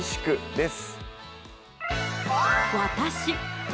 です